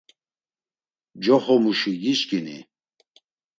Coxomuşi giçkini?